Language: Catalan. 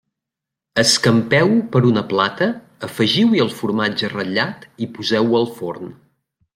Escampeu-ho per una plata, afegiu-hi el formatge ratllat i poseu-ho al forn.